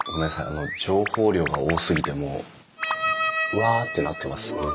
あの情報量が多すぎてもううわってなってます。